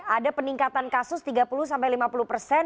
ada peningkatan kasus tiga puluh sampai lima puluh persen